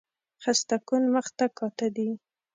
خسته کن مخ ته کاته دي